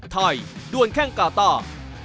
ไทยด้วยแค่งกาต้า